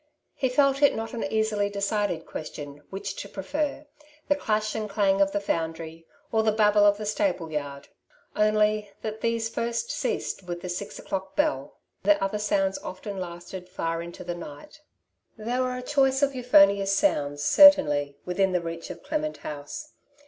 He felt it not an easily decided qaestion which to prefer, the clash and clang of the foundry, or the babble of the stable yard ; only, that these first ceased with the six o'clock bell, the other sounds often lasted far into the night. There were a choice of euphonious sounds, cer tainly, within the reach of Clement House.